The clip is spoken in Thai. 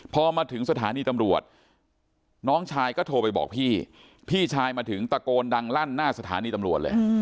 พอมาถึงสถานีตำรวจน้องชายก็โทรไปบอกพี่พี่ชายมาถึงตะโกนดังลั่นหน้าสถานีตำรวจเลย